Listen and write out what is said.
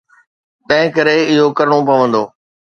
تنهنڪري اهو ڪرڻو پوندو.